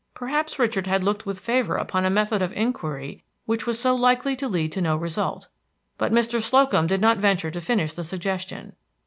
Perhaps Richard had looked with favor upon a method of inquiry which was so likely to lead to no result. But Mr. Slocum did not venture to finish the suggestion.